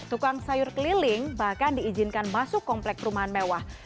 tukang sayur keliling bahkan diizinkan masuk komplek perumahan mewah